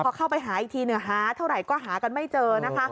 พอเข้าไปหาอีกทีหาเท่าไหร่ก็หากันไม่เจอนะคะ